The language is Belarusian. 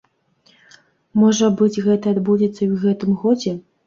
Можа быць, гэта адбудзецца і ў гэтым годзе.